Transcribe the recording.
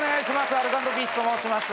アルコ＆ピースと申します。